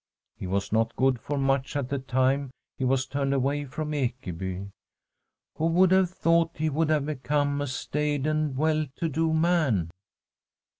He was not good for much at the time he was turned away from Ekeby. Who would have thought he would have become a staid and well to do man